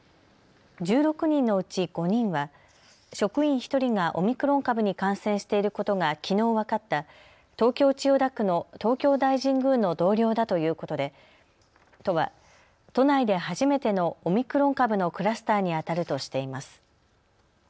１６人のうち５人は職員１人がオミクロン株に感染していることがきのう分かった東京千代田区の東京大神宮の同僚だということで都は都内で初めてのオミクロン株のクラスターにあたるとしています。